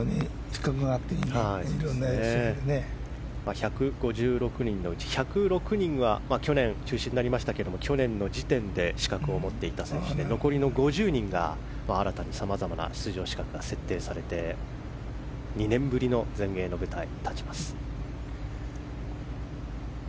１５６人のうち１０６人は去年、中止になりましたが去年の時点で資格を持っていた選手で残りの５０人が新たにさまざまな出場資格が設定されて２年ぶりの全英の舞台に立ちます。